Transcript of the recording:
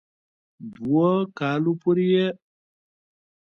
دوؤ کالو پورې ئې